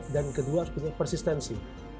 kedua harus punya persistensi